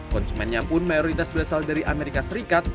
konsumennya pun mayoritas berasal dari amerika serikat